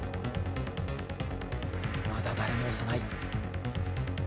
まだ誰も押さない。